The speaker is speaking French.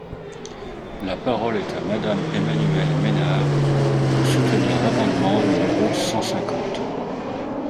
La parole est à Madame Emmanuelle Ménard, pour soutenir l’amendement numéro cent cinquante.